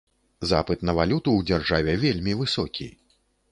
Запыт на валюту ў дзяржаве вельмі высокі.